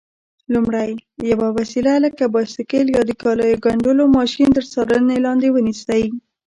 لومړی: یوه وسیله لکه بایسکل یا د کالیو ګنډلو ماشین تر څارنې لاندې ونیسئ.